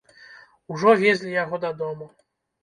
Ужо везлі яго дадому.